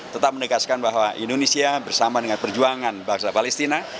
tetap menegaskan bahwa indonesia bersama dengan perjuangan bangsa palestina